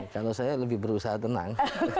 kalau saya lebih berusaha tenang